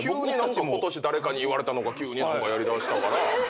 ことし誰かに言われたのか急に何かやりだしたから。